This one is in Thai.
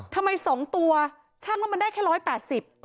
ทำไม๒ตัวชั่งแล้วมันได้แค่๑๘๐กิโลกรัม